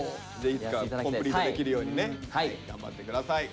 いつかコンプリートできるようにね頑張って下さい。